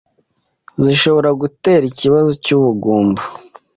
zishobora gutera ikibazo cy’ubugumba